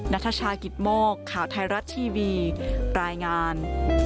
นัทชากิตโมกข่าวไทยรัฐทีวีรายงาน